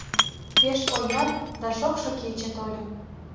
Пеш ояр да шокшо кече тольо.